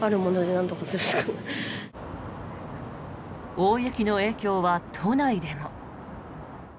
大雪の影響は都内でも。